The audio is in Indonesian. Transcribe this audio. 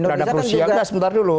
terhadap rusia nggak sebentar dulu